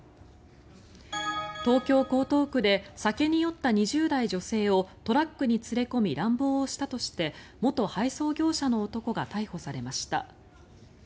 東京・江東区で酒に酔った２０代女性をトラックに連れ込み乱暴をしたとして元配送業者の男が逮捕されました。